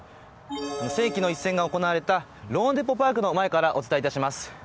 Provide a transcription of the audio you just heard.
世紀の一戦が行われたローンデポ・パークの前からお伝えします。